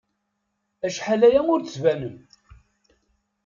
Acḥal aya ur d-tbanem.